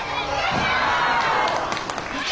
・いけ！